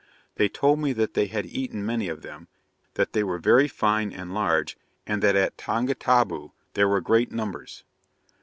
They told me that they had eaten many of them, that they were very fine and large, and that at Tongataboo there were great numbers.'